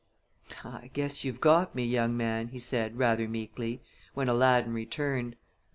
"I guess you've got me, young man," he said, rather meekly, when Aladdin returned.